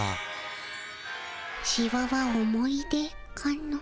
シワは思い出かの。